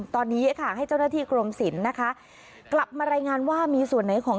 ตอนนี้ค่ะให้เจ้าหน้าที่กรมศิลป์นะคะกลับมารายงานว่ามีส่วนไหนของ